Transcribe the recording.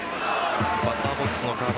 バッターボックスの川端